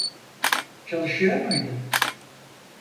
Çalışıyor muydun?